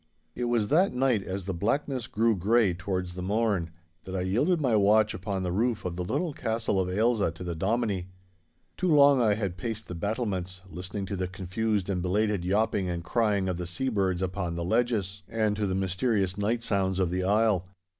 It was that night, as the blackness grew grey towards the morn, that I yielded my watch upon the roof of the little Castle of Ailsa to the Dominie. Too long I had paced the battlements, listening to the confused and belated yawping and crying of the sea birds upon the ledges, and to the mysterious night sounds of the isle.